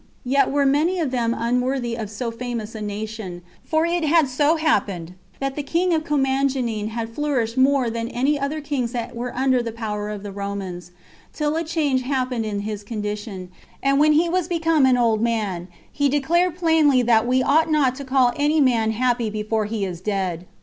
Yet were many of them unworthy of so famous a nation; for it had so happened, that the king of Commagene had flourished more than any other kings that were under the power of the Romans, till a change happened in his condition; and when he was become an old man, he declared plainly that we ought not to call any man happy before he is dead.